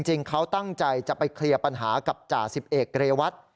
จริงเขาตั้งใจจะไปเคลียร์ปัญหากับจ่าสิบเอกเรวัต